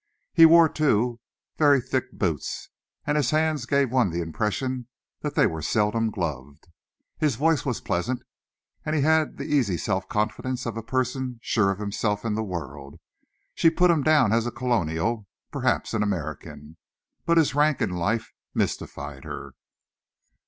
He wore, too, very thick boots, and his hands gave one the impression that they were seldom gloved. His voice was pleasant, and he had the easy self confidence of a person sure of himself in the world. She put him down as a colonial perhaps an American but his rank in life mystified her.